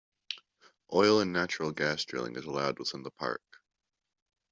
Oil and natural gas drilling is allowed within the park.